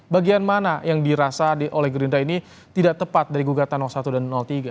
bagian mana yang dirasa oleh gerindra ini tidak tepat dari gugatan satu dan tiga